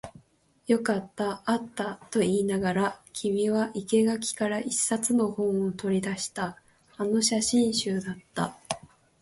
よかった、あったと言いながら、君は生垣から一冊の本を取り出した。あの写真集だった。